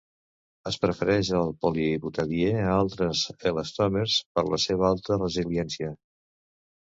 Es prefereix el polibutadiè a altres elastòmers per la seva alta resiliència.